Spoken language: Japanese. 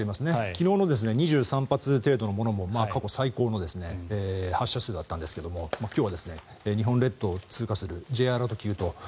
昨日の２３発程度のものも過去最高の発射数だったんですが今日は日本列島を通過するＪアラート級と。